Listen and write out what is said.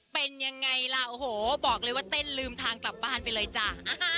เป็นยังไงล่ะโอ้โหบอกเลยว่าเต้นลืมทางกลับบ้านไปเลยจ้า